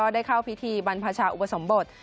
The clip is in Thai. ได้เข้าพิธีบรรพชาอุปสมบท